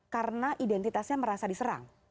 karena identitasnya merasa diserang